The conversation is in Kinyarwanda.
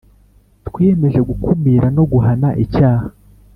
Twiyemeje gukumira no guhana icyaha